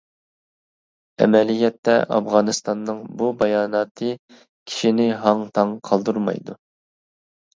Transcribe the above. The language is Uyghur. ئەمەلىيەتتە، ئافغانىستاننىڭ بۇ باياناتى كىشىنى ھاڭ-تاڭ قالدۇرمايدۇ.